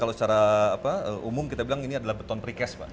kalau secara umum kita bilang ini adalah beton prikes pak